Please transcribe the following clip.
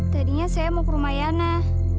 tadinya saya mau ke rumah yana